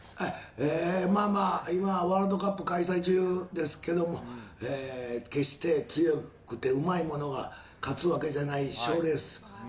まあまあ、今、ワールドカップ開催中ですけども、決して強くてうまい者が勝つわけじゃない賞レース。